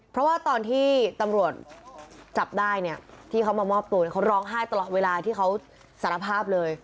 เพราะว่าตอนที่ตำรวจจับได้เนี่ยที่เขามามอบตัวเขาร้องไห้ตลอดเวลาที่เขาสารภาพเลย